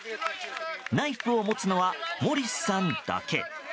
ナイフを持つのはモリスさんだけ。